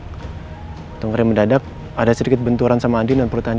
hai tunggu mendadak ada sedikit benturan sama andinan